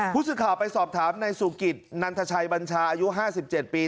ผู้สื่อข่าวไปสอบถามนายสุกิตนันทชัยบัญชาอายุ๕๗ปี